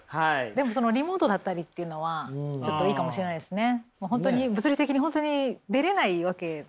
でもそのリモートだったりっていうのはちょっといいかもしれないですね。